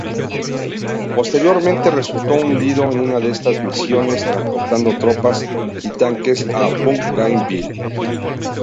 Posteriormente, resultó hundido en una de estas misiones, transportando tropas y tanques a Bougainville.